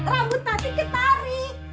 rambut tati ketarik